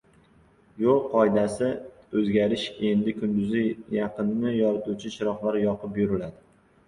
Yo‘l qoidasida o‘zgarish. Endi kunduzi yaqinni yorituvchi chiroq yoqib yuriladi